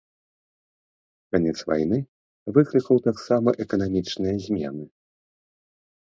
Канец вайны выклікаў таксама эканамічныя змены.